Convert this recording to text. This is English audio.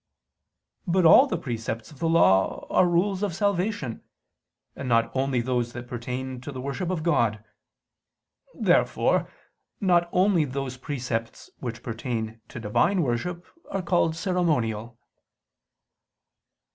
But all the precepts of the Law are rules of salvation, and not only those that pertain to the worship of God. Therefore not only those precepts which pertain to Divine worship are called ceremonial.